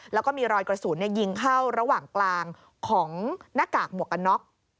แล้วก็มีรอยกระสุนยิงเข้าระหว่างกลางของหน้ากากหมวกกันน็อก